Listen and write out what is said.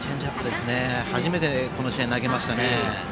初めてこの試合投げましたね。